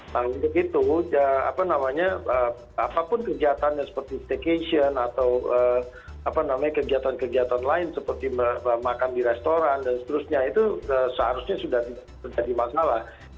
nah untuk itu apapun kegiatannya seperti staycation atau kegiatan kegiatan lain seperti makan di restoran dan seterusnya itu seharusnya sudah tidak terjadi masalah